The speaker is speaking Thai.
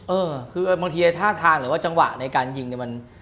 เออคือบางทีท่าทางหรือว่าจังหวะในการฝุม